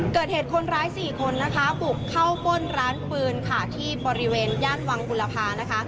เกิดเหตุคนร้ายสี่คนนะคะบุกเข้าป้นร้านปืนค่ะที่บริเวณย่านวังบุรพานะคะ